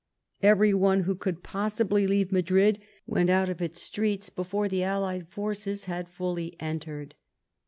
Everyone who could possibly leave Madrid went out of its streets before the allied forces had fully entered.